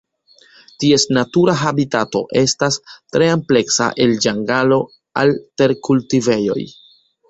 Ties natura habitato estas tre ampleksa el ĝangalo al terkultivejoj.